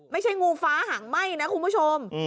ไม่ใช่งูฟ้าหางไหม้นะคุณผู้ชม